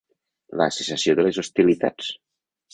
La cessació de les hostilitats.